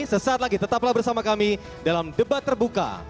sesaat lagi tetaplah bersama kami dalam debat terbuka